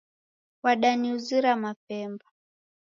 Wadaniuzira mapemba .